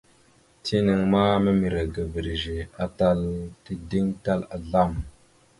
Tinaŋ ma miməre ga virəze, atal tideŋ tal azlam.